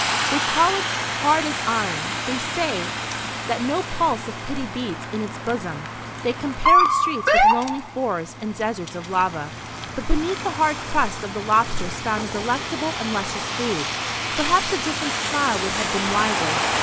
They call it hard as iron; they say that no pulse of pity beats in its bosom; they compare its streets with lonely forests and deserts of lava. But beneath the hard crust of the lobster is found a delectable and luscious food. Perhaps a different simile would have been wiser.